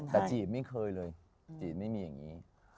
แต่จีนไม่เคยเลยจีนไม่มีอย่างนี้